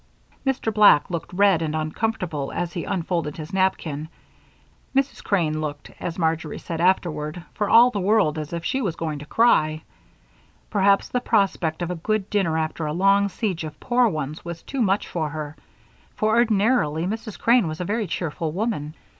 Mr. Black looked red and uncomfortable as he unfolded his napkin. Mrs. Crane looked, as Marjory said afterward, for all the world as if she were going to cry. Perhaps the prospect of a good dinner after a long siege of poor ones was too much for her, for ordinarily Mrs. Crane was a very cheerful woman.